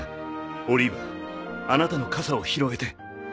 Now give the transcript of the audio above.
「オリーブあなたの傘を広げて」。